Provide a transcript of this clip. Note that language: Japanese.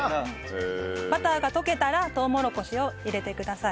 バターが溶けたらとうもろこしを入れてください。